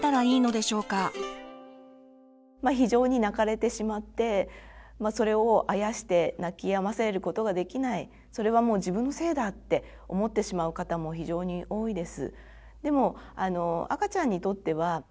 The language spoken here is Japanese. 非常に泣かれてしまってそれをあやして泣きやませることができないそれはもう自分のせいだって思ってしまう方も非常に多いです。